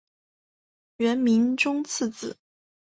元明宗次子。